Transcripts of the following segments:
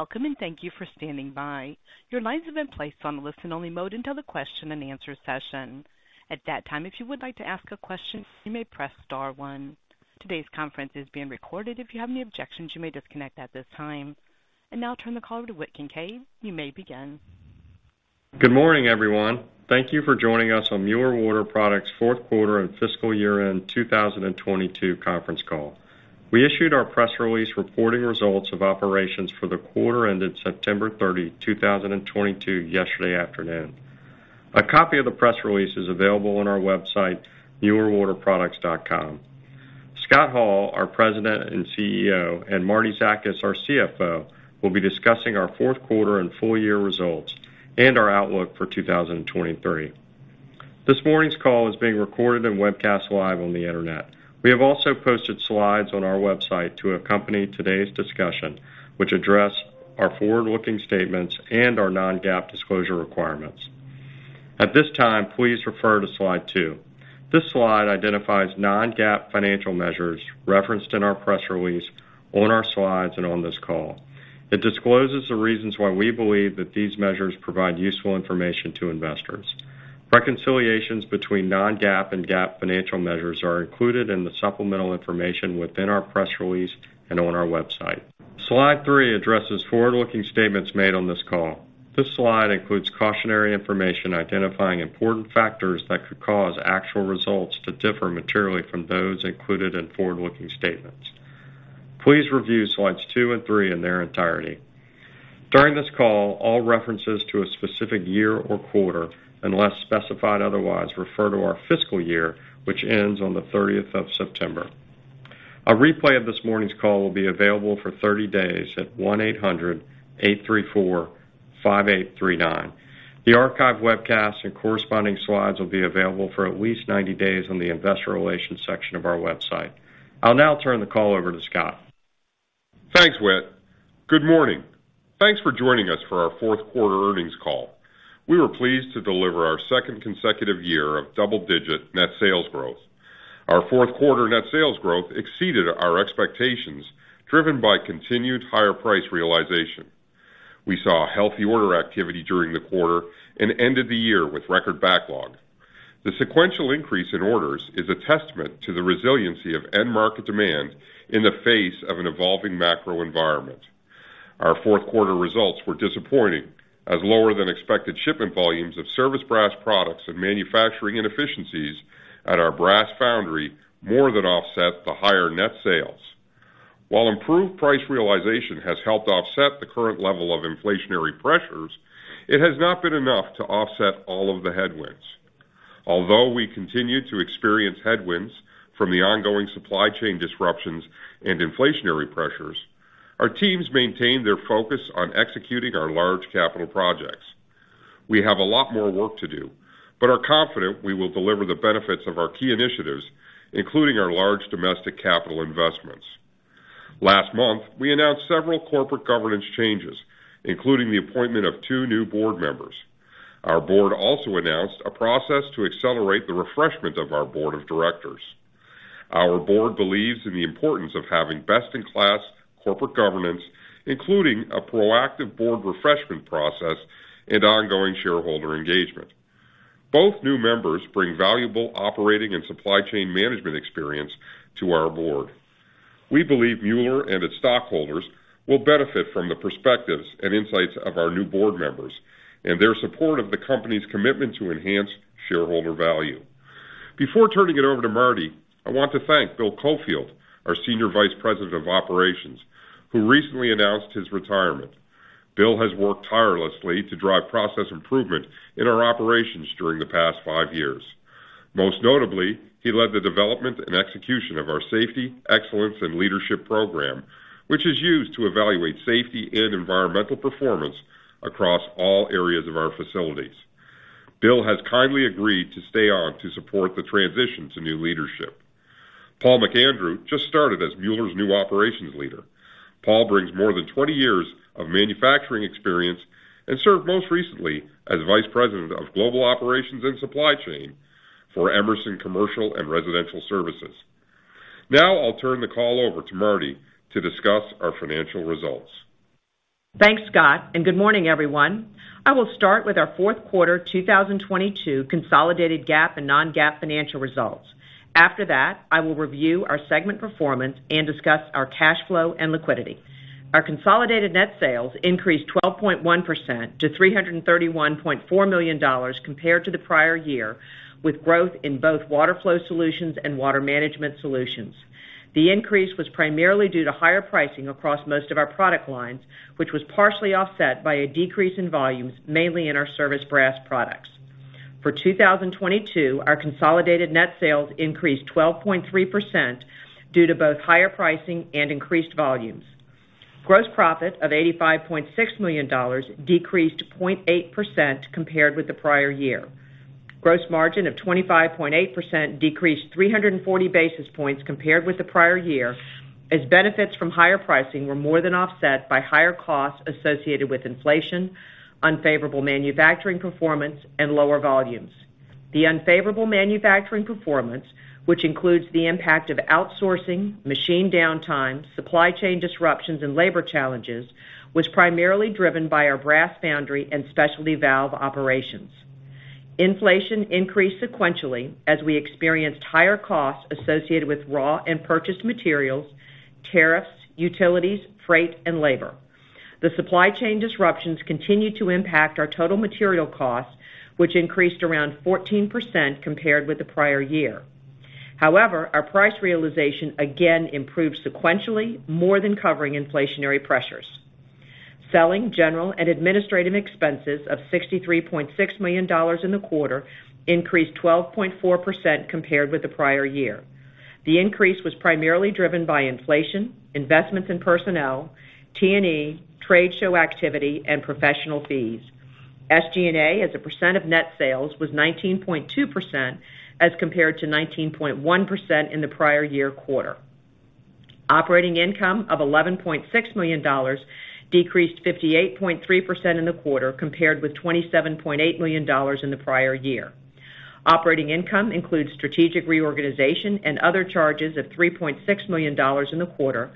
Welcome, and thank you for standing by. Your lines have been placed on listen-only mode until the question and answer session. At that time, if you would like to ask a question, you may press star one. Today's conference is being recorded. If you have any objections, you may disconnect at this time. I now turn the call over to Whit Kincaid. You may begin. Good morning, everyone. Thank you for joining us on Mueller Water Products' fourth quarter and fiscal year-end 2022 conference call. We issued our press release reporting results of operations for the quarter ended September 30, 2022 yesterday afternoon. A copy of the press release is available on our website, muellerwaterproducts.com. Scott Hall, our President and CEO, and Martie Zakas, our CFO, will be discussing our fourth quarter and full year results, and our outlook for 2023. This morning's call is being recorded and webcast live on the Internet. We have also posted slides on our website to accompany today's discussion, which address our forward-looking statements and our non-GAAP disclosure requirements. At this time, please refer to slide two. This slide identifies non-GAAP financial measures referenced in our press release, on our slides, and on this call. It discloses the reasons why we believe that these measures provide useful information to investors. Reconciliations between non-GAAP and GAAP financial measures are included in the supplemental information within our press release and on our website. Slide three addresses forward-looking statements made on this call. This slide includes cautionary information identifying important factors that could cause actual results to differ materially from those included in forward-looking statements. Please review slides two and three in their entirety. During this call, all references to a specific year or quarter, unless specified otherwise, refer to our fiscal year, which ends on the thirtieth of September. A replay of this morning's call will be available for 30 days at 1-800-834-5839. The archive webcast and corresponding slides will be available for at least 90 days on the investor relations section of our website. I'll now turn the call over to Scott. Thanks, Whit. Good morning. Thanks for joining us for our fourth quarter earnings call. We were pleased to deliver our second consecutive year of double-digit net sales growth. Our fourth quarter net sales growth exceeded our expectations, driven by continued higher price realization. We saw healthy order activity during the quarter and ended the year with record backlog. The sequential increase in orders is a testament to the resiliency of end market demand, in the face of an evolving macro environment. Our fourth quarter results were disappointing as lower than expected shipment volumes of service brass products and manufacturing inefficiencies, at our brass foundry more than offset the higher net sales. While improved price realization has helped offset the current level of inflationary pressures, it has not been enough to offset all of the headwinds. Although we continue to experience headwinds from the ongoing supply chain disruptions and inflationary pressures, our teams maintain their focus on executing our large capital projects. We have a lot more work to do, but are confident we will deliver the benefits of our key initiatives, including our large domestic capital investments. Last month, we announced several corporate governance changes, including the appointment of two new board members. Our board also announced a process to accelerate the refreshment of our board of directors. Our board believes in the importance of having best-in-class corporate governance, including a proactive board refreshment process and ongoing shareholder engagement. Both new members bring valuable operating and supply chain management experience to our board. We believe Mueller and its stockholders will benefit from the perspectives and insights of our new board members and their support of the company's commitment to enhance shareholder value. Before turning it over to Martie, I want to thank Bill Cofield, our Senior Vice President of Operations, who recently announced his retirement. Bill has worked tirelessly to drive process improvement in our operations during the past five years. Most notably, he led the development and execution of our safety, excellence and leadership program, which is used to evaluate safety and environmental performance across all areas of our facilities. Bill has kindly agreed to stay on to support the transition to new leadership. Paul McAndrew just started as Mueller's new operations leader. Paul brings more than 20 years of manufacturing experience, and served most recently as Vice President of Global Operations and Supply Chain for Emerson Commercial & Residential Solutions. Now I'll turn the call over to Martie to discuss our financial results. Thanks, Scott, and good morning, everyone. I will start with our fourth quarter 2022 consolidated GAAP and non-GAAP financial results. After that, I will review our segment performance and discuss our cash flow and liquidity. Our consolidated net sales increased 12.1% to $331.4 million compared to the prior year, with growth in both Water Flow Solutions and Water Management Solutions. The increase was primarily due to higher pricing across most of our product lines, which was partially offset by a decrease in volumes, mainly in our service brass products. For 2022, our consolidated net sales increased 12.3%, due to both higher pricing and increased volumes. Gross profit of $85.6 million decreased 0.8% compared with the prior year. Gross margin of 25.8% decreased 340 basis points compared with the prior year, as benefits from higher pricing were more than offset by higher costs associated with inflation, unfavorable manufacturing performance, and lower volumes. The unfavorable manufacturing performance, which includes the impact of outsourcing, machine downtime, supply chain disruptions, and labor challenges, was primarily driven by our brass foundry and specialty valve operations. Inflation increased sequentially as we experienced higher costs associated with raw and purchased materials, tariffs, utilities, freight, and labor. The supply chain disruptions continued to impact our total material costs, which increased around 14% compared with the prior year. However, our price realization again improved sequentially more than covering inflationary pressures. Selling, general, and administrative expenses of $63.6 million in the quarter increased 12.4% compared with the prior year. The increase was primarily driven by inflation, investments in personnel, T&E, trade show activity, and professional fees. SG&A, as a percent of net sales, was 19.2%, as compared to 19.1% in the prior year quarter. Operating income of $11.6 million decreased 58.3% in the quarter compared with $27.8 million in the prior year. Operating income includes strategic reorganization and other charges of $3.6 million in the quarter,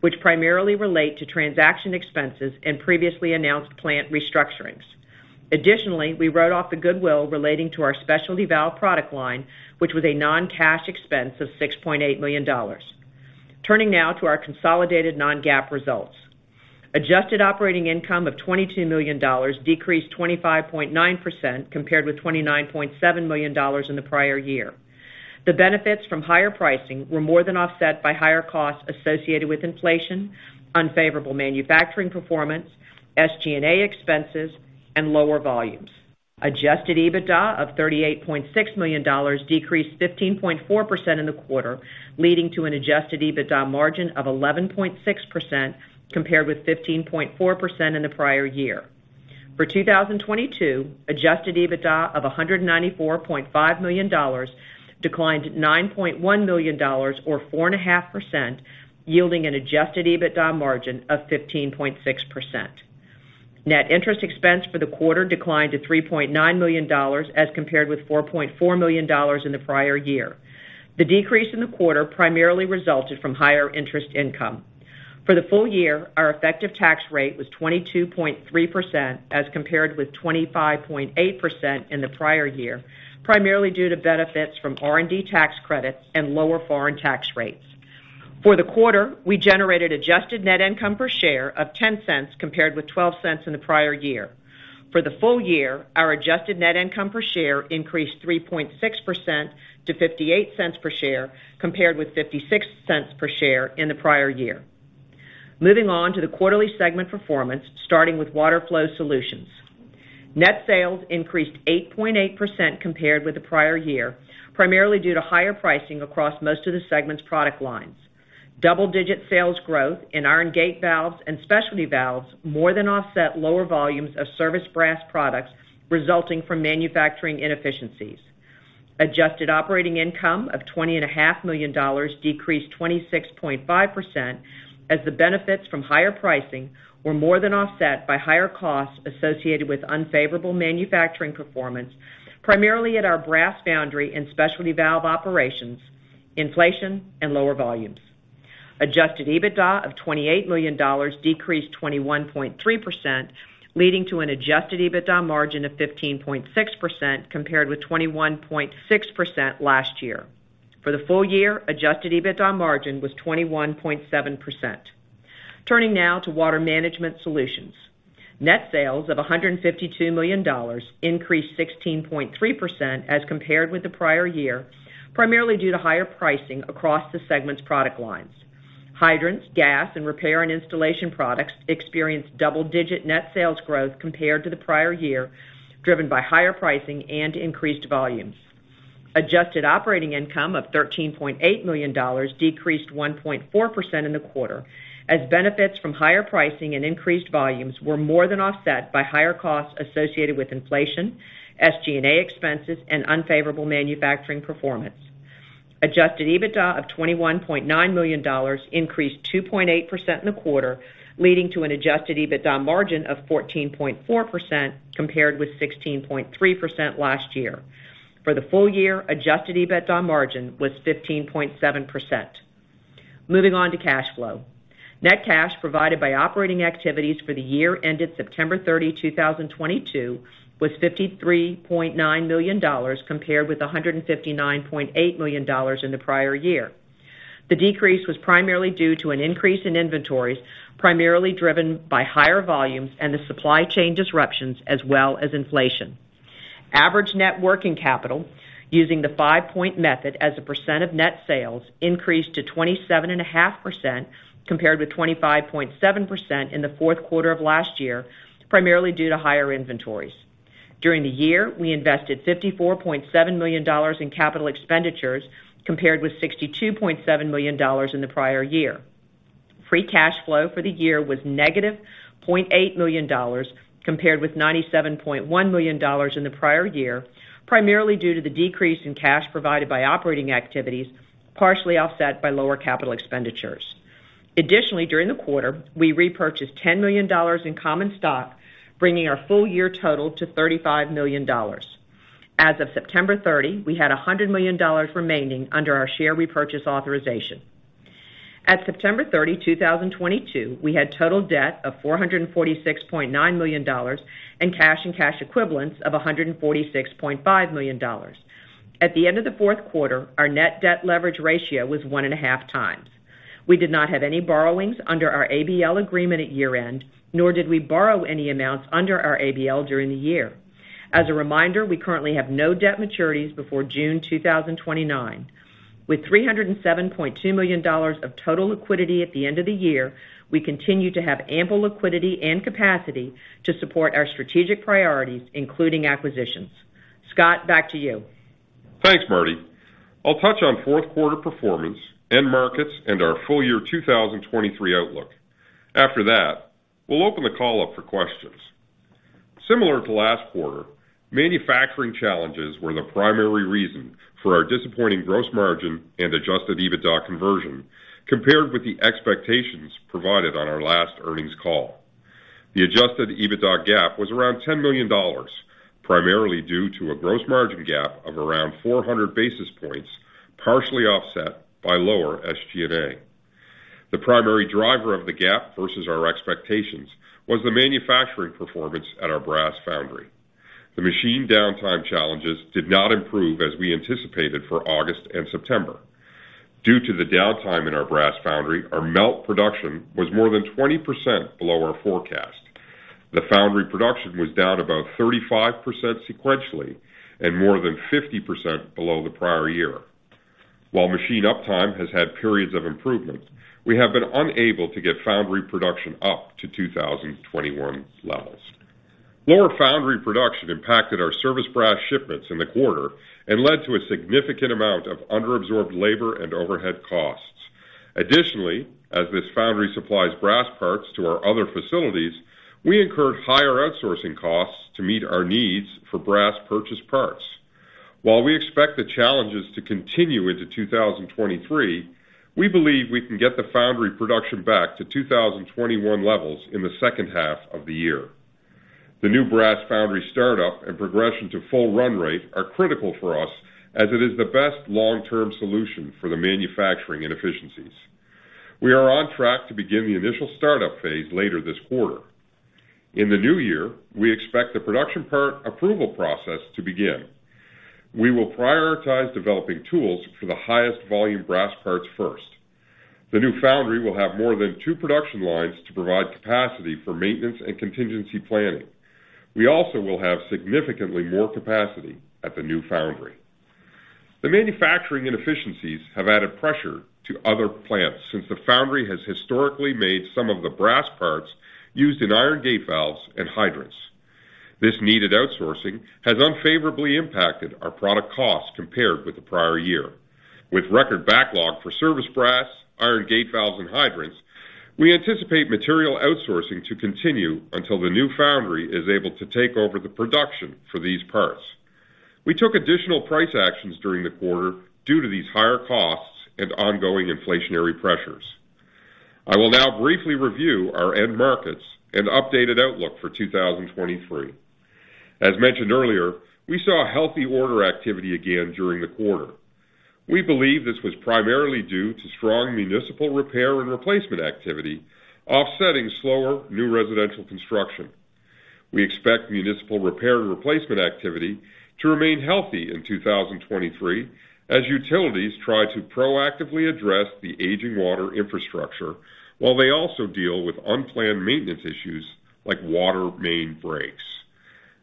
which primarily relate to transaction expenses and previously announced plant restructurings. Additionally, we wrote off the goodwill relating to our specialty valves product line, which was a non-cash expense of $6.8 million. Turning now to our consolidated non-GAAP results. Adjusted operating income of $22 million decreased 25.9% compared with $29.7 million in the prior year. The benefits from higher pricing were more than offset by higher costs associated with inflation, unfavorable manufacturing performance, SG&A expenses, and lower volumes. Adjusted EBITDA of $38.6 million decreased 15.4% in the quarter, leading to an adjusted EBITDA margin of 11.6% compared with 15.4% in the prior year. For 2022, adjusted EBITDA of $194.5 million declined $9.1 million or 4.5%, yielding an adjusted EBITDA margin of 15.6%. Net interest expense for the quarter declined to $3.9 million as compared with $4.4 million in the prior year. The decrease in the quarter primarily resulted from higher interest income. For the full year, our effective tax rate was 22.3% as compared with 25.8% in the prior year, primarily due to benefits from R&D tax credits and lower foreign tax rates. For the quarter, we generated adjusted net income per share of $0.10 compared with $0.12 in the prior year. For the full year, our adjusted net income per share increased 3.6% to $0.58 per share, compared with $0.56 per share in the prior year. Moving on to the quarterly segment performance, starting with Water Flow Solutions. Net sales increased 8.8% compared with the prior year, primarily due to higher pricing across most of the segment's product lines. Double-digit sales growth in iron gate valves and specialty valves more than offset lower volumes of service brass products resulting from manufacturing inefficiencies. Adjusted operating income of $20.5 million decreased 26.5%, as the benefits from higher pricing, were more than offset by higher costs associated with unfavorable manufacturing performance, primarily at our brass foundry and specialty valve operations, inflation, and lower volumes. Adjusted EBITDA of $28 million decreased 21.3%, leading to an adjusted EBITDA margin of 15.6% compared with 21.6% last year. For the full year, adjusted EBITDA margin was 21.7%. Turning now to Water Management Solutions. Net sales of $152 million increased 16.3% as compared with the prior year, primarily due to higher pricing across the segment's product lines. Hydrants, gas, and repair and installation products experienced double-digit net sales growth compared to the prior year, driven by higher pricing and increased volumes. Adjusted operating income of $13.8 million decreased 1.4% in the quarter, as benefits from higher pricing and increased volumes were more than offset by higher costs associated with inflation, SG&A expenses and unfavorable manufacturing performance. Adjusted EBITDA of $21.9 million increased 2.8% in the quarter, leading to an adjusted EBITDA margin of 14.4% compared with 16.3% last year. For the full year, adjusted EBITDA margin was 15.7%. Moving on to cash flow. Net cash provided by operating activities for the year ended September 30, 2022, was $53.9 million compared with $159.8 million in the prior year. The decrease was primarily due to an increase in inventories, primarily driven by higher volumes and the supply chain disruptions as well as inflation. Average net working capital using the five-point method as a percent of net sales increased to 27.5%, compared with 25.7% in the fourth quarter of last year, primarily due to higher inventories. During the year, we invested $54.7 million in capital expenditures compared with $62.7 million in the prior year. Free cash flow for the year was -$0.8 million compared with $97.1 million in the prior year, primarily due to the decrease in cash provided by operating activities, partially offset by lower capital expenditures. Additionally, during the quarter, we repurchased $10 million in common stock, bringing our full year total to $35 million. As of September 30, we had $100 million remaining under our share repurchase authorization. At September 30, 2022, we had total debt of $446.9 million, and cash and cash equivalents of $146.5 million. At the end of the fourth quarter, our net debt leverage ratio was 1.5 times. We did not have any borrowings under our ABL agreement at year-end, nor did we borrow any amounts under our ABL during the year. As a reminder, we currently have no debt maturities before June 2029. With $307.2 million of total liquidity at the end of the year, we continue to have ample liquidity and capacity to support our strategic priorities, including acquisitions. Scott, back to you. Thanks, Martie. I'll touch on fourth quarter performance, end markets, and our full year 2023 outlook. After that, we'll open the call up for questions. Similar to last quarter, manufacturing challenges were the primary reason for our disappointing gross margin, and adjusted EBITDA conversion compared with the expectations provided on our last earnings call. The adjusted EBITDA gap was around $10 million, primarily due to a gross margin gap of around 400 basis points, partially offset by lower SG&A. The primary driver of the gap versus our expectations, was the manufacturing performance at our brass foundry. The machine downtime challenges did not improve as we anticipated for August and September. Due to the downtime in our brass foundry, our melt production was more than 20% below our forecast. The foundry production was down about 35% sequentially, and more than 50% below the prior year. While machine uptime has had periods of improvement, we have been unable to get foundry production up to 2021 levels. Lower foundry production impacted our service brass shipments in the quarter and led to a significant amount of under-absorbed labor and overhead costs. Additionally, as this foundry supplies brass parts to our other facilities, we incurred higher outsourcing costs to meet our needs for brass purchase parts. While we expect the challenges to continue into 2023, we believe we can get the foundry production back to 2021 levels in the second half of the year. The new brass foundry startup and progression to full run rate are critical for us, as it is the best long-term solution for the manufacturing inefficiencies. We are on track to begin the initial startup phase later this quarter. In the new year, we expect the production part approval process to begin. We will prioritize developing tools for the highest volume brass parts first. The new foundry will have more than two production lines to provide capacity for maintenance and contingency planning. We also will have significantly more capacity at the new foundry. The manufacturing inefficiencies have added pressure to other plants since the foundry has historically made some of the brass parts, used in iron gate valves and hydrants. This needed outsourcing has unfavorably impacted our product costs compared with the prior year. With record backlog for service brass, iron gate valves, and hydrants, we anticipate material outsourcing to continue until the new foundry is able to take over the production for these parts. We took additional price actions during the quarter, due to these higher costs and ongoing inflationary pressures. I will now briefly review our end markets and updated outlook for 2023. As mentioned earlier, we saw healthy order activity again during the quarter. We believe this was primarily due to strong municipal repair and replacement activity, offsetting slower new residential construction. We expect municipal repair and replacement activity to remain healthy in 2023, as utilities try to proactively address the aging water infrastructure, while they also deal with unplanned maintenance issues like water main breaks.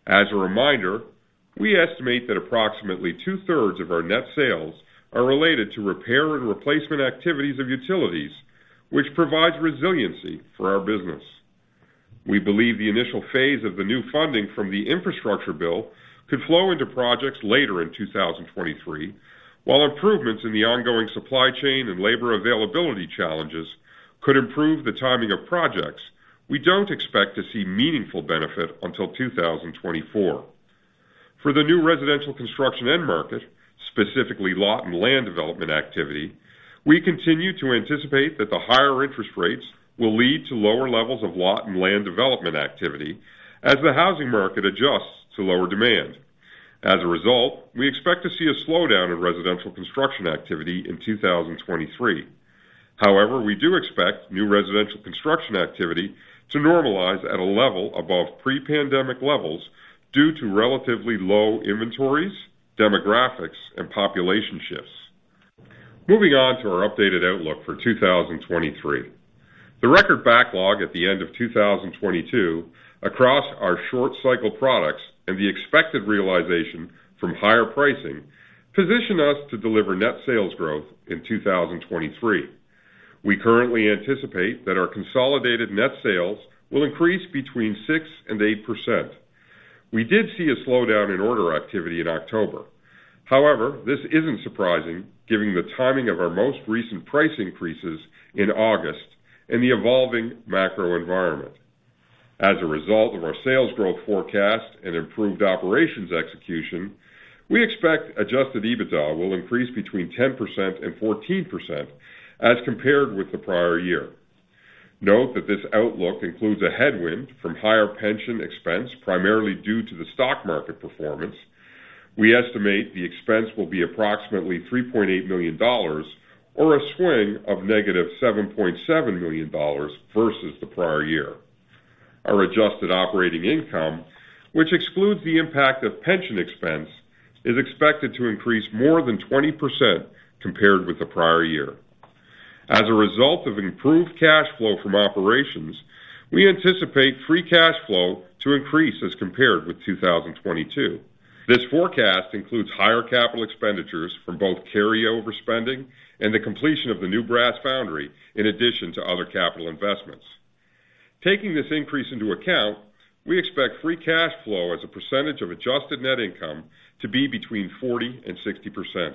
As a reminder, we estimate that approximately two-thirds of our net sales, are related to repair and replacement activities of utilities, which provides resiliency for our business. We believe the initial phase of the new funding from the infrastructure bill could flow into projects later in 2023. While improvements in the ongoing supply chain and labor availability challenges, could improve the timing of projects, we don't expect to see meaningful benefit until 2024. For the new residential construction end market, specifically lot and land development activity, we continue to anticipate that the higher interest rates, will lead to lower levels of lot and land development activity as the housing market adjusts to lower demand. As a result, we expect to see a slowdown in residential construction activity in 2023. However, we do expect new residential construction activity to normalize at a level above pre-pandemic levels due to relatively low inventories, demographics, and population shifts. Moving on to our updated outlook for 2023. The record backlog at the end of 2022 across our short cycle products, and the expected realization from higher pricing position us to deliver net sales growth in 2023. We currently anticipate that our consolidated net sales will increase between 6% and 8%. We did see a slowdown in order activity in October. However, this isn't surprising given the timing of our most recent price increases in August, and the evolving macro environment. As a result of our sales growth forecast and improved operations execution, we expect adjusted EBITDA will increase between 10% and 14% as compared with the prior year. Note that this outlook includes a headwind from higher pension expense, primarily due to the stock market performance. We estimate the expense will be approximately $3.8 million, or a swing of -$7.7 million versus the prior year. Our adjusted operating income, which excludes the impact of pension expense, is expected to increase more than 20% compared with the prior year. As a result of improved cash flow from operations, we anticipate free cash flow to increase as compared with 2022. This forecast includes higher capital expenditures from both carryover spending, and the completion of the new brass foundry in addition to other capital investments. Taking this increase into account, we expect free cash flow as a percentage of adjusted net income to be between 40% and 60%.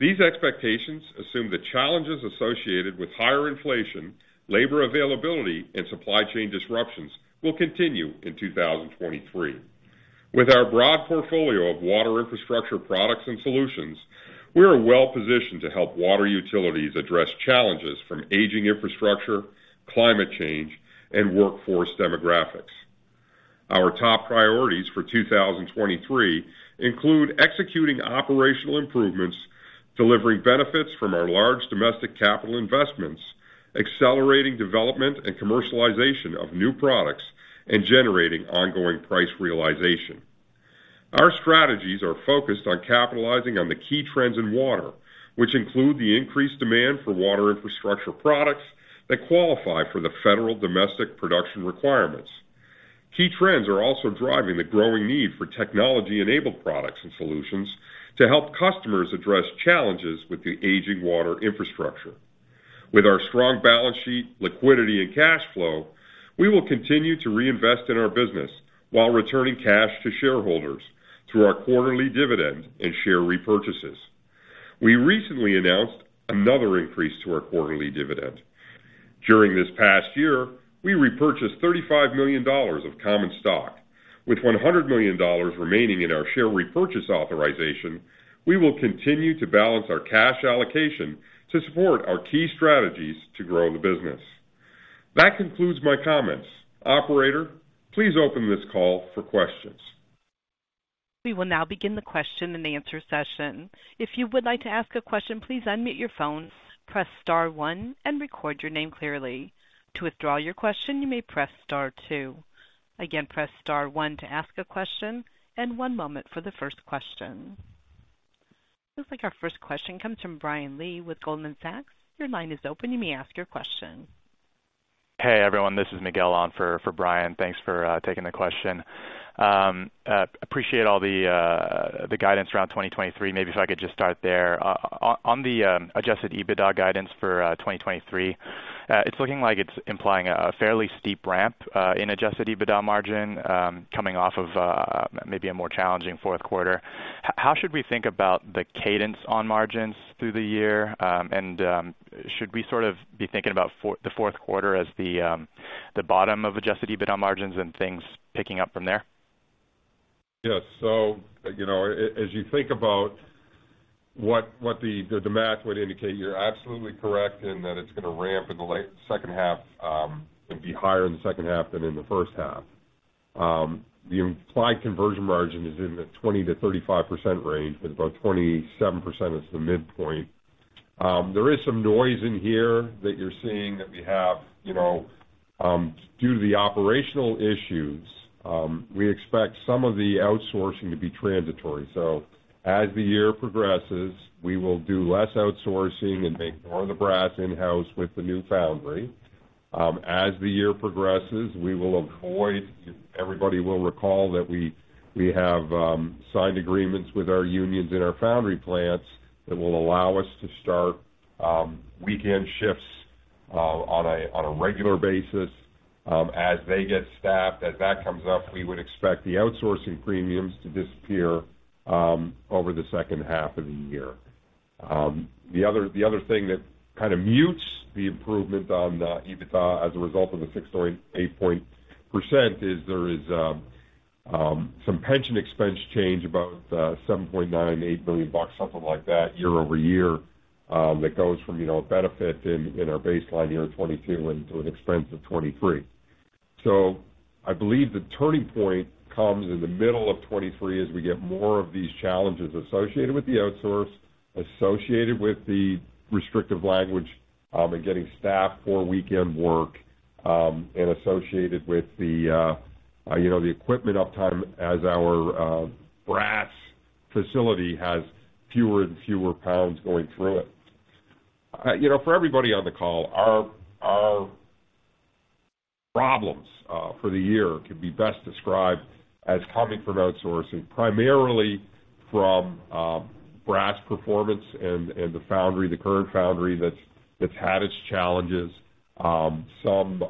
These expectations assume the challenges associated with higher inflation, labor availability and supply chain disruptions will continue in 2023. With our broad portfolio of water infrastructure products and solutions, we are well-positioned to help water utilities address challenges from aging infrastructure, climate change and workforce demographics. Our top priorities for 2023 include executing operational improvements, delivering benefits from our large domestic capital investments, accelerating development and commercialization of new products, and generating ongoing price realization. Our strategies are focused on capitalizing on the key trends in water, which include the increased demand for water infrastructure products that qualify for the federal domestic production requirements. Key trends are also driving the growing need for technology-enabled products and solutions, to help customers address challenges with the aging water infrastructure. With our strong balance sheet, liquidity and cash flow, we will continue to reinvest in our business while returning cash to shareholders through our quarterly dividends and share repurchases. We recently announced another increase to our quarterly dividend. During this past year, we repurchased $35 million of common stock. With $100 million remaining in our share repurchase authorization, we will continue to balance our cash allocation to support our key strategies to grow the business. That concludes my comments. Operator, please open this call for questions. We will now begin the question-and-answer session. If you would like to ask a question, please unmute your phones, press star one and record your name clearly. To withdraw your question, you may press star two. Again, press star one to ask a question, and one moment for the first question. Looks like our first question comes from Brian Lee with Goldman Sachs. Your line is open. You may ask your question. Hey, everyone, this is Miguel on for Brian. Thanks for taking the question. Appreciate all the guidance around 2023. Maybe if I could just start there. On the adjusted EBITDA guidance for 2023, it's looking like it's implying a fairly steep ramp in adjusted EBITDA margin, coming off of maybe a more challenging fourth quarter. How should we think about the cadence on margins through the year? Should we sort of be thinking about the fourth quarter as the bottom of adjusted EBITDA margins and things picking up from there? Yes. You know, as you think about what the math would indicate, you're absolutely correct in that it's gonna ramp in the late second half, and be higher in the second half than in the first half. The implied conversion margin is in the 20%-35% range, with about 27% as the midpoint. There is some noise in here that you're seeing that we have due to the operational issues. We expect some of the outsourcing to be transitory. As the year progresses, we will do less outsourcing and make more of the brass in-house with the new foundry. As the year progresses, everybody will recall that we have signed agreements with our unions and our foundry plants, that will allow us to start weekend shifts on a regular basis as they get staffed. As that comes up, we would expect the outsourcing premiums to disappear over the second half of the year. The other thing that kind of mutes the improvement on the EBITDA as a result of the 6.8% is some pension expense change, about $7.9-$8 million, something like that, year-over-year, that goes from, you know, a benefit in our baseline year of 2022 into an expense of 2023. I believe the turning point comes in the middle of 2023 as we get more of these challenges associated with the outsourcing, associated with the restrictive language in getting staff for weekend work, and associated with the equipment uptime as our brass facility has fewer and fewer pounds going through it. For everybody on the call, our problems for the year could be best described as coming from outsourcing, primarily from brass performance and the foundry, the current foundry that's had its challenges, some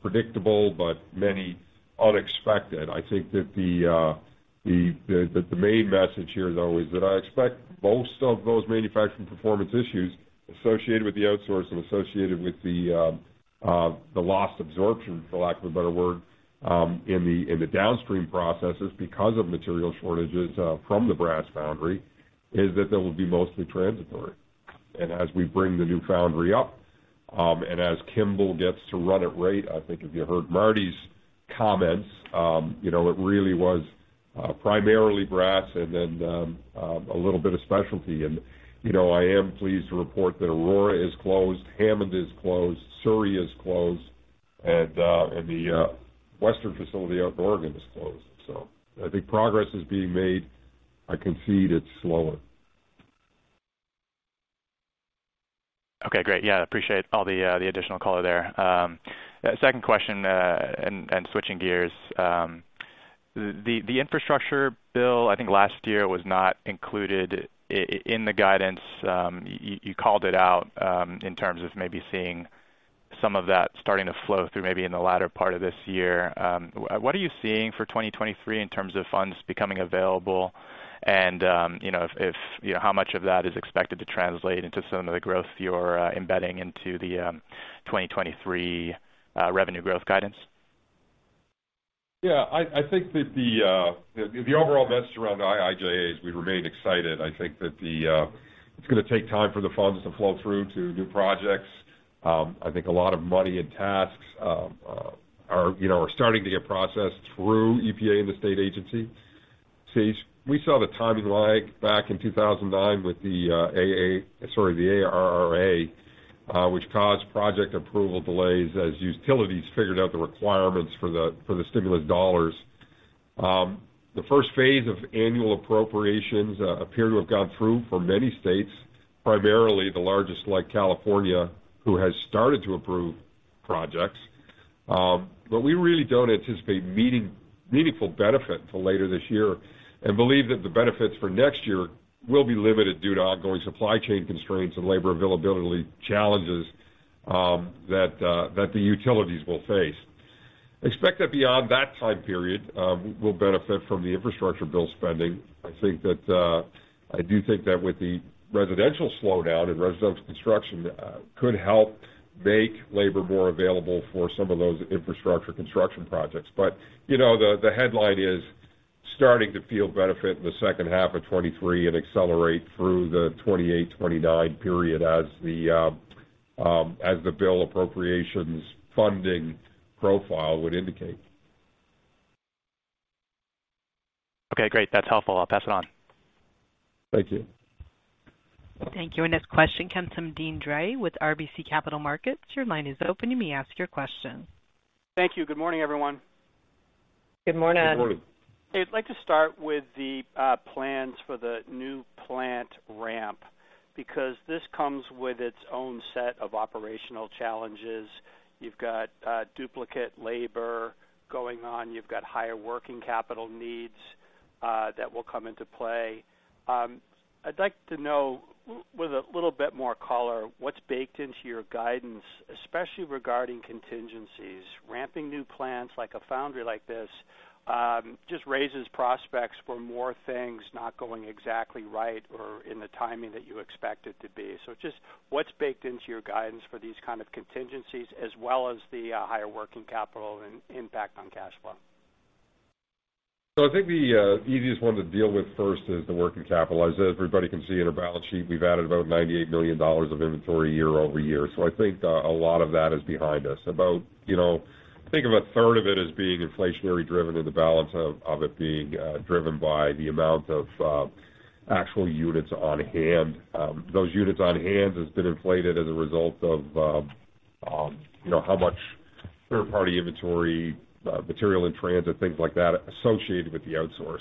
predictable, but many unexpected. I think that the main message here, though, is that I expect most of those manufacturing performance issues associated with the outsource and associated with the lost absorption, for lack of a better word, in the downstream processes because of material shortages from the brass foundry, is that they will be mostly transitory. As we bring the new foundry up, and as Kimball gets to run at rate, I think if you heard Martie's comments, you know, it really was primarily brass and then a little bit of specialty. You know, I am pleased to report that Aurora is closed, Hammond is closed, Surrey is closed, and the Western facility out in Oregon is closed. I think progress is being made. I concede it's slower. Okay, great. Yeah, appreciate all the additional color there. Second question, and switching gears. The infrastructure bill, I think last year was not included in the guidance. You called it out in terms of maybe seeing, some of that starting to flow through, maybe in the latter part of this year. What are you seeing for 2023 in terms of funds becoming available? You know, if you know, how much of that is expected to translate into some of the growth you're embedding into the 2023 revenue growth guidance? Yeah, I think that the overall message around IIJA, we remain excited. I think that it's gonna take time for the funds to flow through to new projects. I think a lot of money and tasks, you know, are starting to get processed through EPA and the state agency. See, we saw the timing lag back in 2009 with the ARRA, which caused project approval delays as utilities figured out the requirements for the stimulus dollars. The first phase of annual appropriations appear to have gone through for many states, primarily the largest like California, who has started to approve projects. We really don't anticipate seeing meaningful benefit until later this year, and believe that the benefits for next year will be limited due to ongoing supply chain constraints and labor availability challenges that the utilities will face. Expect that beyond that time period, we'll benefit from the infrastructure bill spending. I think that I do think that with the residential slowdown and residential construction could help, make labor more available for some of those infrastructure construction projects. You know, the headline is starting to feel benefit in the second half of 2023 and accelerate through the 2028, 2029 period as the bill appropriations funding profile would indicate. Okay, great. That's helpful. I'll pass it on. Thank you. Thank you. Our next question comes from Deane Dray with RBC Capital Markets. Your line is open. You may ask your question. Thank you. Good morning, everyone. Good morning. Good morning. I'd like to start with the plans for the new plant ramp because this comes with its own set of operational challenges. You've got duplicate labor going on. You've got higher working capital needs that will come into play. I'd like to know with a little bit more color what's baked into your guidance, especially regarding contingencies. Ramping new plants like a foundry like this just raises prospects for more things not going exactly right or in the timing that you expect it to be. Just what's baked into your guidance for these kind of contingencies as well as the higher working capital and impact on cash flow? I think the easiest one to deal with first is the working capital. As everybody can see in our balance sheet, we've added about $98 million of inventory year-over-year. I think a lot of that is behind us. About, you know, think of a third of it as being inflationary driven and the balance of it being driven by the amount of actual units on hand. Those units on hand has been inflated as a result of you know, how much third-party inventory, material in transit, things like that, associated with the outsource.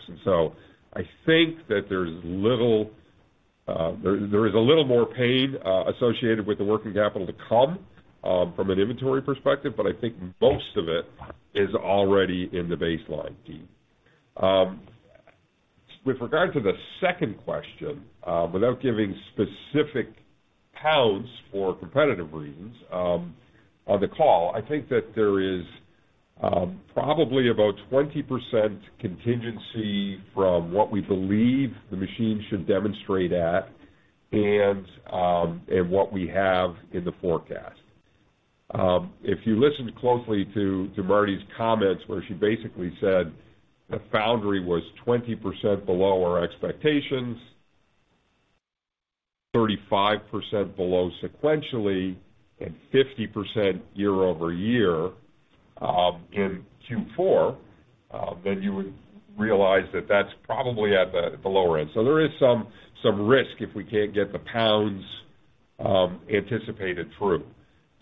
I think that there is a little more pain, associated with the working capital to come from an inventory perspective, but I think most of it is already in the baseline, Deane. With regard to the second question, without giving specific pounds for competitive reasons, on the call, I think that there is probably about 20% contingency from what we believe, the machine should demonstrate at and what we have in the forecast. If you listen closely to Martie's comments, where she basically said the foundry was 20% below our expectations, 35% below sequentially and 50% year-over-year in Q4, then you would realize that that's probably at the lower end. There is some risk if we can't get the pounds anticipated through.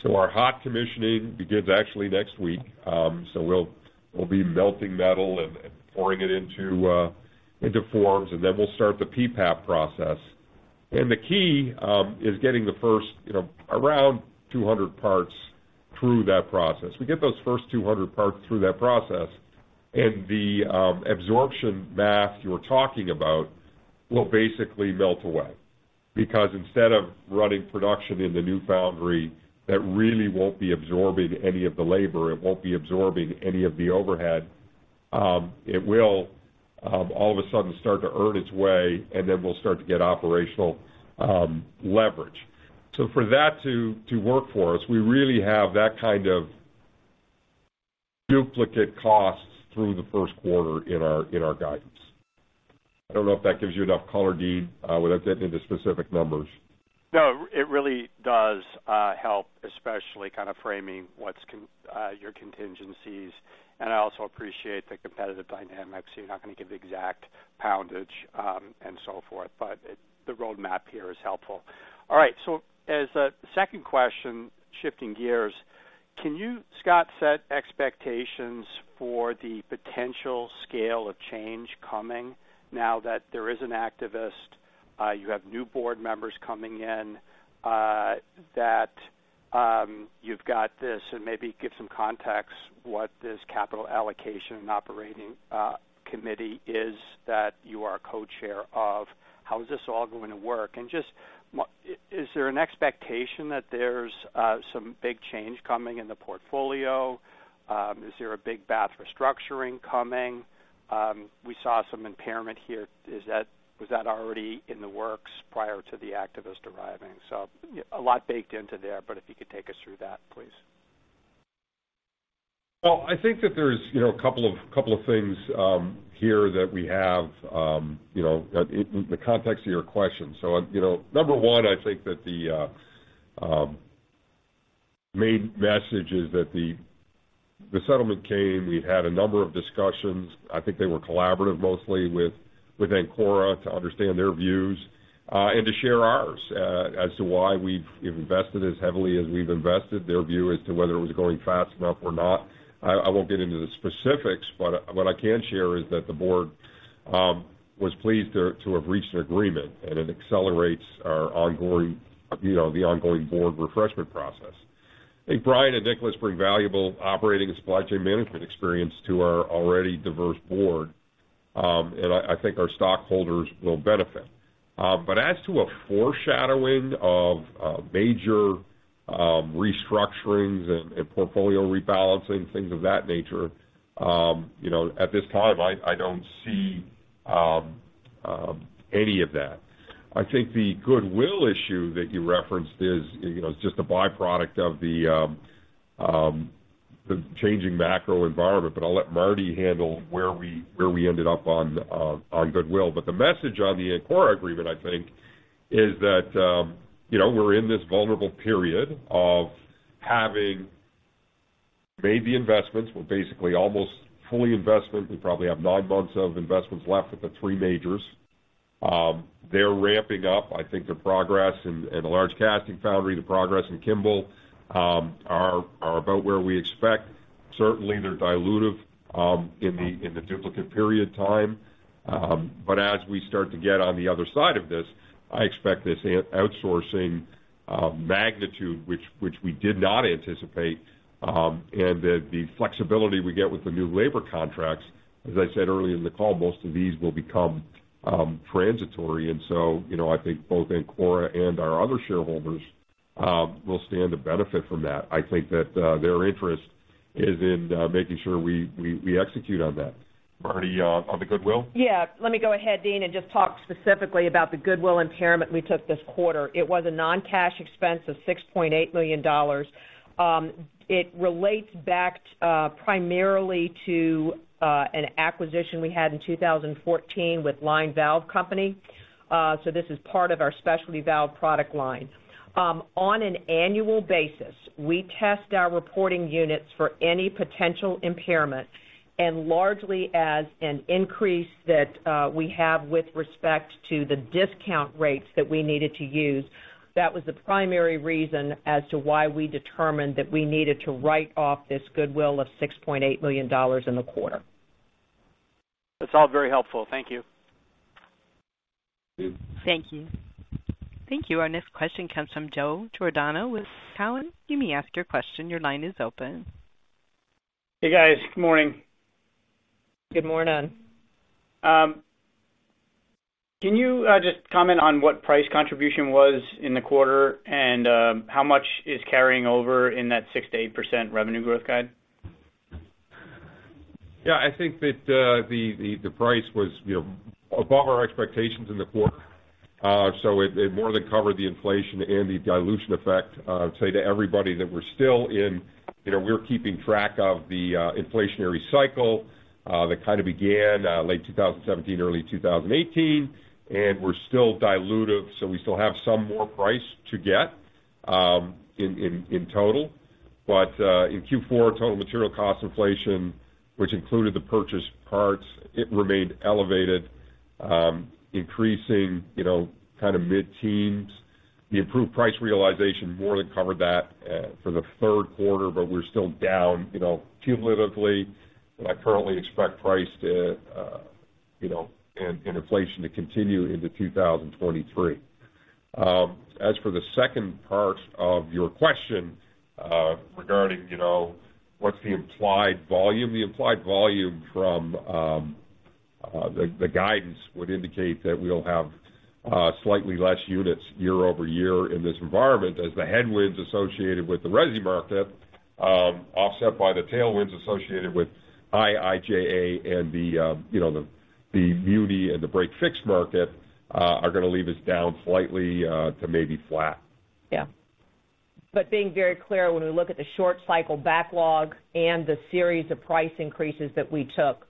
Our hot commissioning begins actually next week. We'll be melting metal and pouring it into forms, and then we'll start the PPAP process. The key is getting the first, you know, around 200 parts through that process. We get those first 200 parts through that process and the absorption math you're talking about will basically melt away. Because instead of running production in the new foundry, that really won't be absorbing any of the labor, it won't be absorbing any of the overhead, it will all of a sudden start to earn its way, and then we'll start to get operational leverage. So for that to work for us, we really have that kind of, duplicate costs through the first quarter in our guidance. I don't know if that gives you enough color, Deane, without getting into specific numbers. No, it really does help, especially kind of framing what's your contingencies. I also appreciate the competitive dynamics. You're not gonna give the exact poundage, and so forth, but the roadmap here is helpful. All right. As a second question, shifting gears, can you, Scott, set expectations for the potential scale of change coming now that there is an activist, you have new board members coming in, that you've got this, and maybe give some context what this capital allocation and operating committee is that you are co-chair of, how is this all going to work? Just is there an expectation that there's some big change coming in the portfolio? Is there a big bath restructuring coming? We saw some impairment here. Was that already in the works prior to the activist arriving? A lot baked into there, but if you could take us through that, please. Well, I think that there's, you know, a couple of things here that we have, you know, in the context of your question. Number one, I think that the main message is that the settlement came. We had a number of discussions. I think they were collaborative mostly with Ancora to understand their views, and to share ours, as to why we've invested as heavily as we've invested, their view as to whether it was going fast enough or not. I won't get into the specifics, but what I can share is that the board, was pleased to have reached an agreement, and it accelerates our ongoing, you know, the ongoing board refreshment process. I think Bryan and Nicholas bring valuable operating and supply chain management experience to our already diverse board. I think our stockholders will benefit. As to a foreshadowing of major restructurings and portfolio rebalancing, things of that nature, you know, at this time, I don't see any of that. I think the goodwill issue that you referenced is, you know, just a byproduct of the changing macro environment, but I'll let Martie handle where we ended up on goodwill. The message on the Ancora agreement, I think, is that, you know, we're in this vulnerable period of having made the investments. We're basically almost fully invested. We probably have nine months of investments left with the three majors. They're ramping up. I think the progress in the large casting foundry, the progress in Kimball, are about where we expect. Certainly, they're dilutive in the duplicative period time. As we start to get on the other side of this, I expect this outsourcing magnitude, which we did not anticipate, and the flexibility we get with the new labor contracts, as I said earlier in the call, most of these will become transitory. You know, I think both Ancora and our other shareholders will stand to benefit from that. I think that their interest is in making sure we execute on that. Martie, on the goodwill? Yeah. Let me go ahead, Deane, and just talk specifically about the goodwill impairment we took this quarter. It was a non-cash expense of $6.8 million. It relates back primarily to an acquisition we had in 2014 with Line Valve Company. So this is part of our specialty valve product line. On an annual basis, we test our reporting units for any potential impairment, and largely due to an increase that we have with respect to the discount rates that we needed to use. That was the primary reason as to why we determined that we needed to write off this goodwill of $6.8 million in the quarter. That's all very helpful. Thank you. Thank you. Thank you. Our next question comes from Joe Giordano with Cowen. You may ask your question. Your line is open. Hey, guys. Good morning. Good morning. Can you just comment on what price contribution was in the quarter and how much is carrying over in that 6%-8% revenue growth guide? Yeah. I think that the price was, you know, above our expectations in the quarter. It more than covered the inflation and the dilution effect. I'd say to everybody that we're still in, you know, we're keeping track of the inflationary cycle, that kind of began late 2017, early 2018, and we're still diluted, so we still have some more price to get in total. In Q4, total material cost inflation, which included the purchased parts, it remained elevated, increasing, you know, kind of mid-teens%. The improved price realization more than covered that for the third quarter, but we're still down, you know, cumulatively, and I currently expect price and inflation to continue into 2023. As for the second part of your question, regarding, you know, what's the implied volume? The implied volume from the guidance would indicate that we'll have slightly less units year-over-year in this environment as the headwinds associated with the Resi market offset by the tailwinds associated with IIJA and the, you know, the utility and the break-fix market are gonna leave us down slightly to maybe flat. Yeah. Being very clear, when we look at the short cycle backlog and the series of price increases that we took,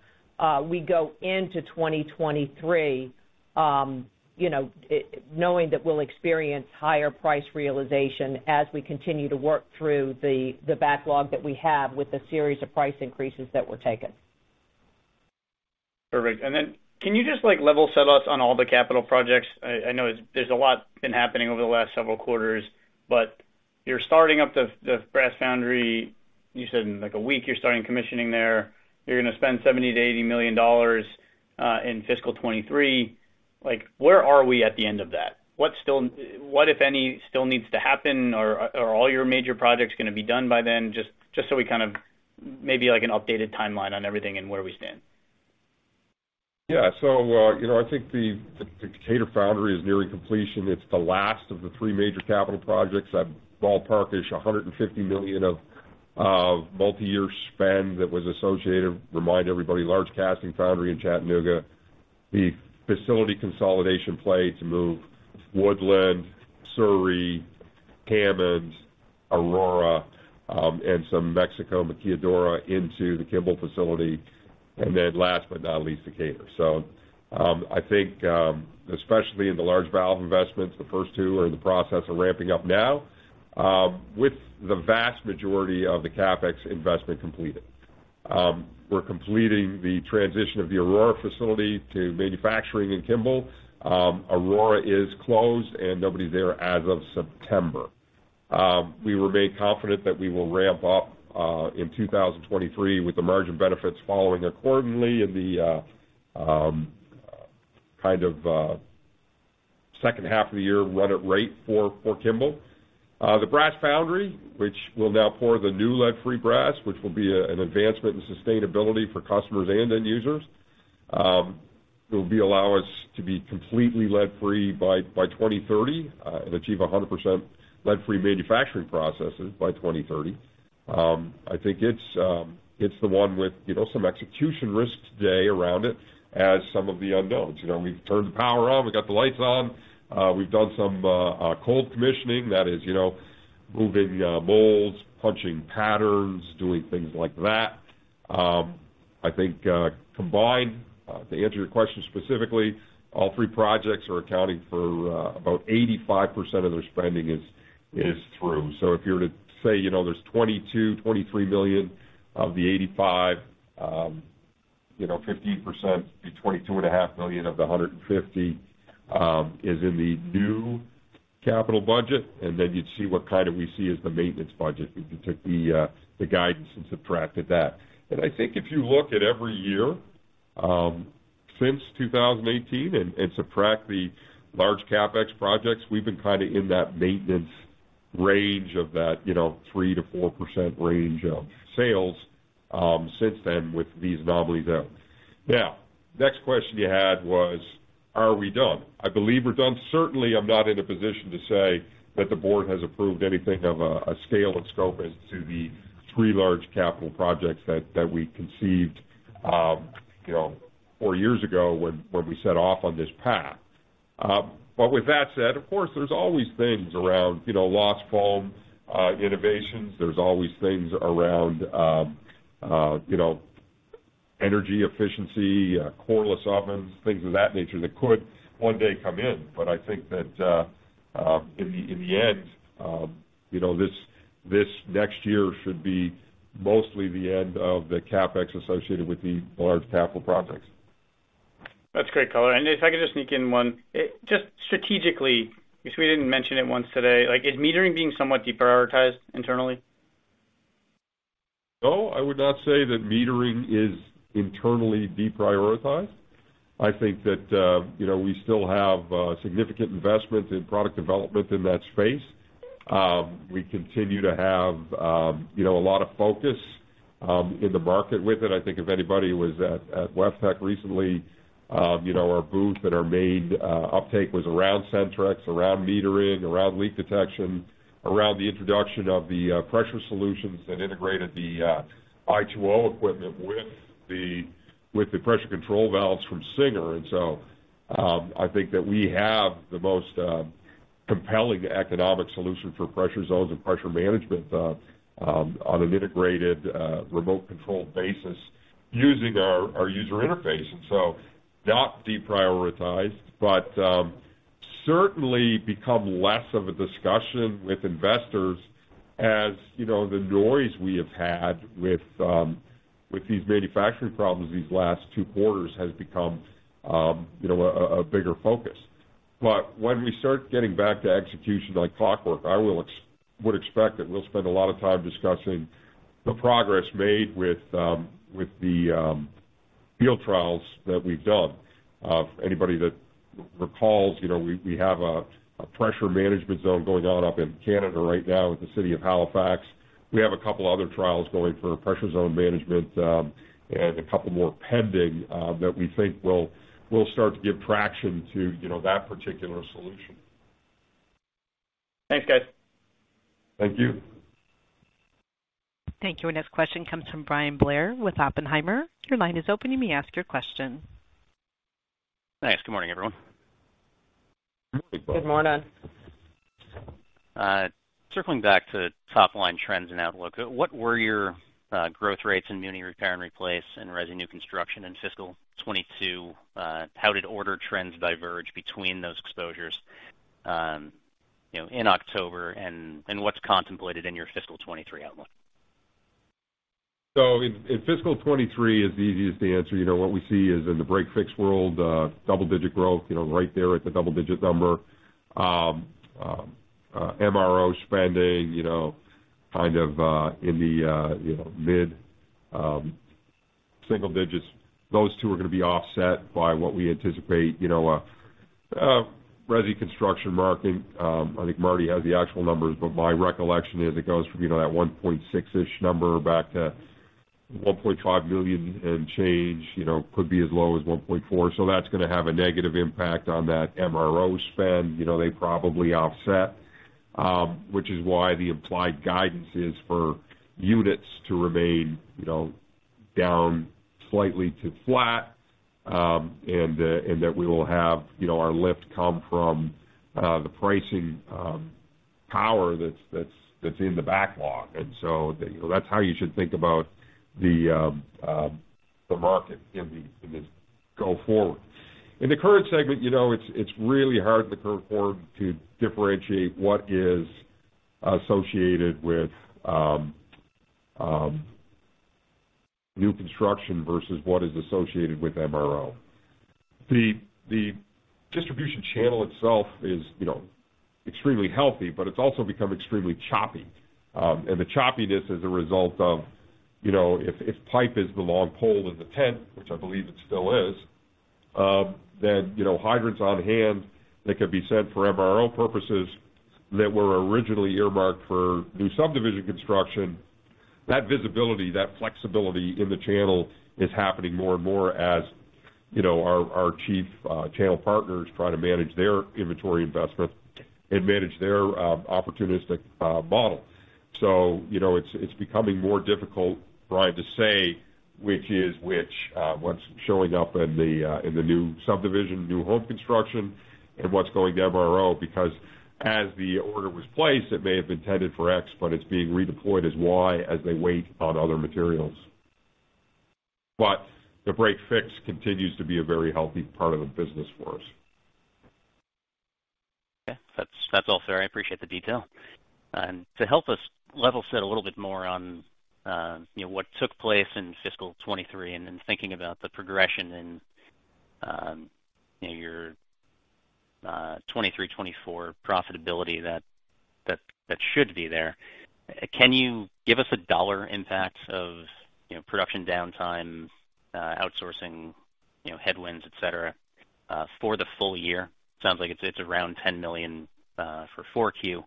we go into 2023, you know, knowing that we'll experience higher price realization as we continue to work through the backlog that we have with the series of price increases that were taken. Perfect. Can you just, like, level set us on all the capital projects? I know there's a lot been happening over the last several quarters, but you're starting up the brass foundry. You said in, like, a week you're starting commissioning there. You're gonna spend $70 million-$80 million in fiscal 2023. Like, where are we at the end of that? What, if any, still needs to happen, or all your major projects gonna be done by then? Just so we kind of maybe like an updated timeline on everything and where we stand. Yeah, you know, I think the Decatur foundry is nearing completion. It's the last of the three major capital projects. I'd ballpark-ish $150 million multiyear spend that was associated. Remind everybody, large casting foundry in Chattanooga. The facility consolidation play to move Woodland, Surrey, Hammond, Aurora, and some Mexico maquiladora into the Kimball facility. Then last but not least, Decatur. I think especially in the large valve investments, the first two are in the process of ramping up now, with the vast majority of the CapEx investment completed. We're completing the transition of the Aurora facility to manufacturing in Kimball. Aurora is closed and nobody's there as of September. We remain confident that we will ramp up in 2023 with the margin benefits following accordingly in the, kind of second half of the year run at rate for Kimball. The brass foundry, which will now pour the new lead-free brass, which will be an advancement in sustainability for customers and end users, will allow us to be completely lead-free by 2030 and achieve 100% lead-free manufacturing processes by 2030. I think it's the one with, you know, some execution risk today around it, as some of the unknowns. You know, we've turned the power on, we got the lights on. We've done some cold commissioning, that is, you know, moving molds, punching patterns, doing things like that. I think, combined, to answer your question specifically, all three projects are accounting for about 85% of their spending is through. If you were to say, you know, there's $22-$23 million of the $85 million, you know, 15%, the $22.5 million of the $150 million is in the new capital budget, and then you'd see what kind of we see as the maintenance budget if you took the guidance and subtracted that. I think if you look at every year, since 2018 and subtract the large CapEx projects, we've been kind of in that maintenance range of that, you know, 3%-4% range of sales since then with these anomalies out. Now, next question you had was, are we done? I believe we're done. Certainly, I'm not in a position to say that the board has approved anything of a scale and scope as to the three large capital projects that we conceived, you know, four years ago when we set off on this path. With that said, of course, there's always things around, you know, lost foam innovations. There's always things around, you know, energy efficiency, coreless ovens, things of that nature that could one day come in. I think that in the end, you know, this next year should be mostly the end of the CapEx associated with the large capital projects. That's great color. If I could just sneak in one. Just strategically, because we didn't mention it once today, like is metering being somewhat deprioritized internally? No, I would not say that metering is internally deprioritized. I think that, you know, we still have significant investment in product development in that space. We continue to have, you know, a lot of focus in the market with it. I think if anybody was at WEFTEC recently, you know, our booth and our main uptake was around Sentryx, around metering, around leak detection, around the introduction of the pressure solutions that integrated the i2O equipment with the pressure control valves from Singer. I think that we have the most compelling economic solution for pressure zones and pressure management on an integrated remote controlled basis using our user interface. Not deprioritized, but certainly become less of a discussion with investors as, you know, the noise we have had with, these manufacturing problems these last two quarters has become, you know, a bigger focus. When we start getting back to execution like clockwork, I would expect that we'll spend a lot of time discussing, the progress made with the field trials that we've done. Anybody that recalls, you know, we have a pressure management zone going on up in Canada right now with the City of Halifax. We have a couple other trials going for pressure zone management, and a couple more pending, that we think will start to give traction to, you know, that particular solution. Thanks, guys. Thank you. Thank you. Our next question comes from Bryan Blair with Oppenheimer. Your line is open. You may ask your question. Thanks. Good morning, everyone. Good morning, Bryan. Good morning. Circling back to top line trends and outlook, what were your growth rates in muni repair and replace and resi new construction in fiscal 2022? How did order trends diverge between those exposures in October, and what's contemplated in your fiscal 2023 outlook? In fiscal 2023 is the easiest to answer. You know, what we see is in the break-fix world, double-digit growth, you know, right there at the double-digit number. MRO spending, you know, kind of in the, you know, mid single digits. Those two are gonna be offset by what we anticipate, you know, resi construction market. I think Martie has the actual numbers, but my recollection is it goes from, you know, that 1.6-ish number back to 1.5 million and change, you know, could be as low as 1.4. That's gonna have a negative impact on that MRO spend. You know, they probably offset, which is why the implied guidance is for units to remain, you know, down slightly to flat, and that we will have, you know, our lift come from the pricing power that's in the backlog. You know, that's how you should think about, the market in this go forward. In the current segment, you know, it's really hard at the current quarter to differentiate what is associated with, new construction versus what is associated with MRO. The distribution channel itself is, you know, extremely healthy, but it's also become extremely choppy. The choppiness is a result of, you know, if pipe is the long pole in the tent, which I believe it still is, then, you know, hydrants on hand that could be sent for MRO purposes that were originally earmarked for new subdivision construction, that visibility, that flexibility in the channel is happening more and more as, you know, our chief channel partners try to manage their inventory investment, and manage their opportunistic model. It's becoming more difficult, Bryan, to say which is which, what's showing up in the new subdivision, new home construction, and what's going to MRO. Because as the order was placed, it may have been intended for X, but it's being redeployed as Y as they wait on other materials. The break-fix continues to be a very healthy part of the business for us. Okay. That's all, sir. I appreciate the detail. To help us level set a little bit more on, you know, what took place in fiscal 2023, and then thinking about the progression and, you know, your 2023, 2024 profitability that should be there, can you give us a dollar impact of, you know, production downtime, outsourcing, you know, headwinds, et cetera, for the full year? Sounds like it's around $10 million for 4Q.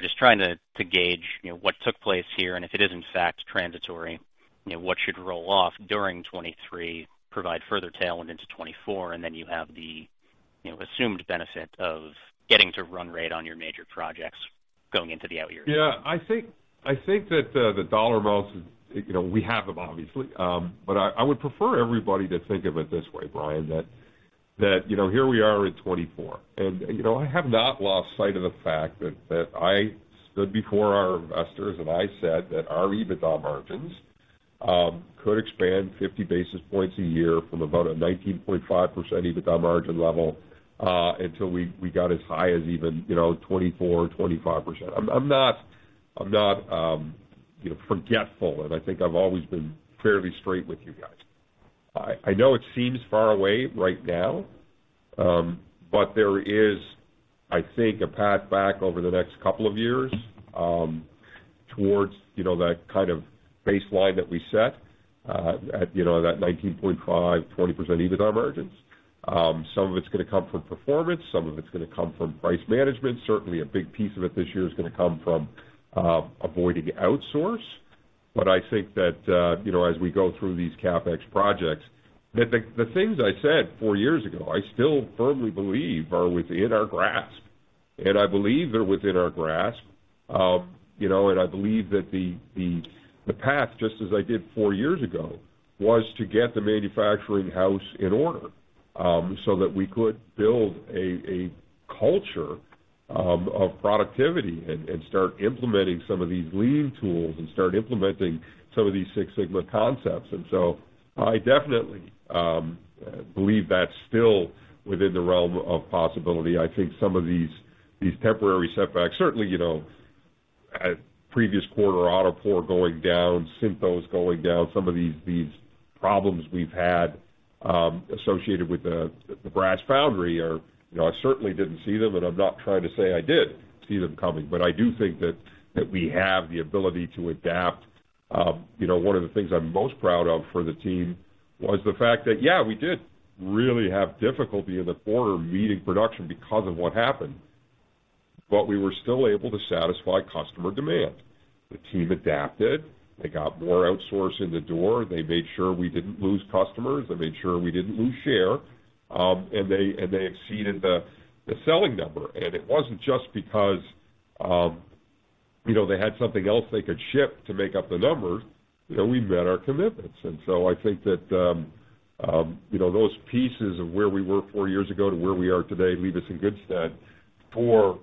Just trying to gauge, you know, what took place here, and if it is in fact transitory, you know, what should roll off during 2023, provide further tailwind into 2024, and then you have the, you know, assumed benefit of getting to run rate on your major projects going into the out years. Yeah. I think that the dollar amounts, you know, we have them obviously. I would prefer everybody to think of it this way, Brian, that you know, here we are in 2024, and you know, I have not lost sight of the fact that I stood before our investors, and I said that our EBITDA margins, could expand 50 basis points a year from about a 19.5% EBITDA margin level, until we got as high as even you know, 24-25%. I'm not you know, forgetful, and I think I've always been fairly straight with you guys. I know it seems far away right now, but there is, I think, a path back over the next couple of years, towards, you know, that kind of baseline that we set, at, you know, that 19.5%-20% EBITDA margins. Some of it's gonna come from performance. Some of it's gonna come from price management. Certainly, a big piece of it this year is gonna come from avoiding outsourcing. I think that, you know, as we go through these CapEx projects, the things I said four years ago I still firmly believe are within our grasp, and I believe they're within our grasp. You know, I believe that the path, just as I did four years ago, was to get the manufacturing house in order, so that we could build a culture, of productivity and start implementing some of these lean tools and start implementing some of these Six Sigma concepts. I definitely believe that's still within the realm of possibility. I think some of these temporary setbacks, certainly, you know, in previous quarter, AutoPour going down, Sinto going down, some of these problems we've had, associated with the brass foundry are, you know, I certainly didn't see them, and I'm not trying to say I did see them coming, but I do think that we have the ability to adapt. You know, one of the things I'm most proud of for the team was the fact that, yeah, we did really have difficulty in the quarter meeting production because of what happened, but we were still able to satisfy customer demand. The team adapted. They got more outsource in the door. They made sure we didn't lose customers. They made sure we didn't lose share. They exceeded the selling number. It wasn't just because, you know, they had something else they could ship to make up the numbers. You know, we met our commitments. I think that, you know, those pieces of where we were four years ago to where we are today leave us in good stead for,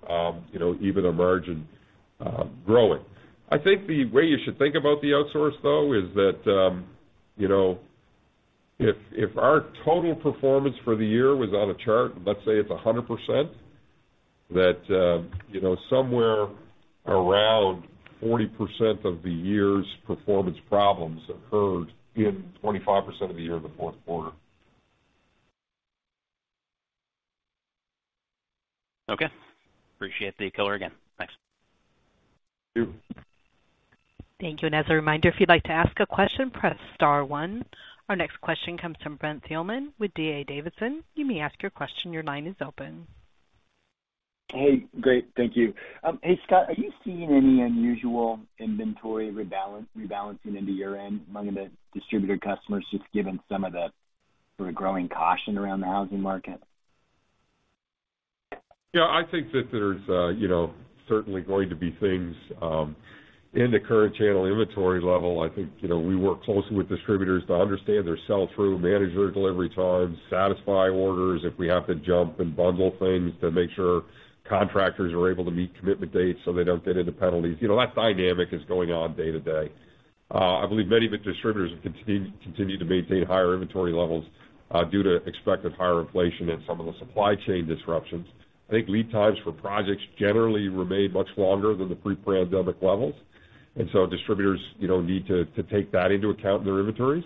you know, even a margin growing. I think the way you should think about the outsource, though, is that, you know, if our total performance for the year was on a chart, let's say it's 100%, that, you know, somewhere around 40% of the year's performance problems occurred in 25% of the year in the fourth quarter. Okay. Appreciate the color again. Thanks. Thank you. Thank you. As a reminder, if you'd like to ask a question, press star one. Our next question comes from Brent Thielman with D.A. Davidson. You may ask your question. Your line is open. Hey, great. Thank you. Hey, Scott, are you seeing any unusual inventory rebalancing into your end among the distributor customers, just given some of the sort of growing caution around the housing market? Yeah, I think that there's, you know, certainly going to be things in the current channel inventory level. I think, you know, we work closely with distributors to understand their sell-through, manage their delivery times, satisfy orders if we have to jump and bundle things to make sure contractors are able to meet commitment dates so they don't get into penalties. You know, that dynamic is going on day to day. I believe many of the distributors continue to maintain higher inventory levels, due to expected higher inflation and some of the supply chain disruptions. I think lead times for projects generally remain much longer than the pre-pandemic levels. Distributors, you know, need to take that into account in their inventories.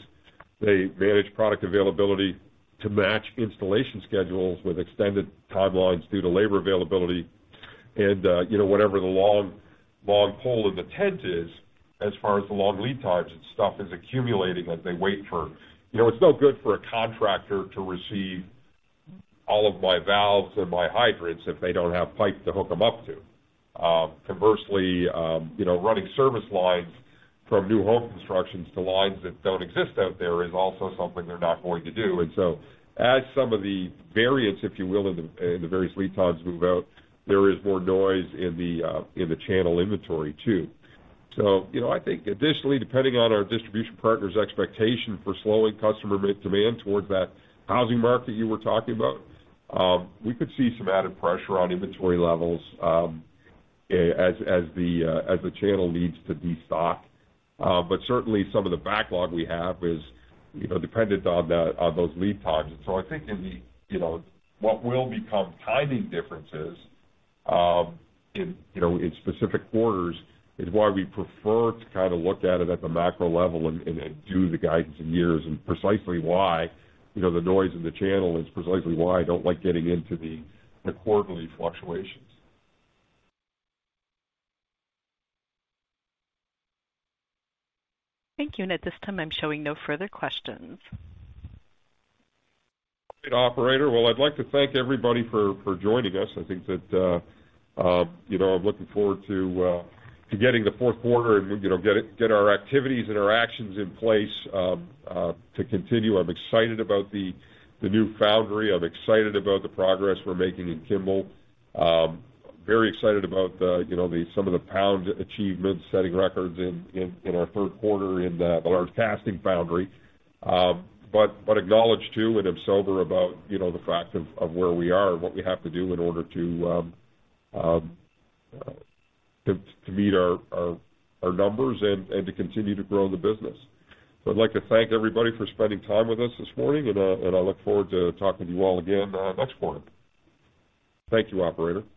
They manage product availability to match installation schedules with extended timelines due to labor availability. You know, whatever the long, long pole in the tent is, as far as the long lead times and stuff is accumulating as they wait for. You know, it's no good for a contractor to receive all of my valves and my hydrants if they don't have pipe to hook them up to. Conversely, you know, running service lines from new home constructions to lines that don't exist out there is also something they're not going to do. As some of the variants, if you will, in the various lead times move out, there is more noise in the channel inventory too. You know, I think additionally, depending on our distribution partners' expectation for slowing customer demand towards that housing market you were talking about, we could see some added pressure on inventory levels, as the channel needs to destock. But certainly some of the backlog we have is, you know, dependent on those lead times. I think in the, you know, what will become timing differences, in specific quarters is why we prefer to kind of look at it at the macro level, and do the guidance in years and precisely why, you know, the noise in the channel is precisely why I don't like getting into the quarterly fluctuations. Thank you. At this time, I'm showing no further questions. Great, operator. Well, I'd like to thank everybody for joining us. I think that, you know, I'm looking forward to getting the fourth quarter and, you know, get our activities and our actions in place, to continue. I'm excited about the new foundry. I'm excited about the progress we're making in Kimball. Very excited about some of the profound achievements, setting records in our third quarter in the large casting foundry. I acknowledge, too, and I'm sober about, you know, the fact of where we are and what we have to do in order to meet our numbers and to continue to grow the business. I'd like to thank everybody for spending time with us this morning, and I look forward to talking to you all again, next quarter. Thank you, operator. Thank you.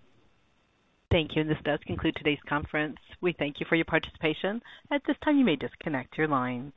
This does conclude today's conference. We thank you for your participation. At this time, you may disconnect your lines.